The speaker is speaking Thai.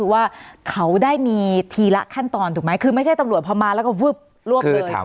ว่าเขาได้มีทีละขั้นตอนถูกไหมคือไม่ใช่ตำรวจพอมาแล้วก็วึบรวบเลย